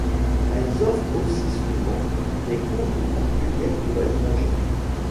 Elles offrent aussi souvent des cours de portugais pour étrangers.